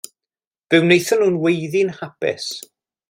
Fe wnaethon nhw weiddi'n hapus.